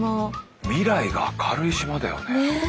未来が明るい島だよね。